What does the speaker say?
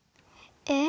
えっ。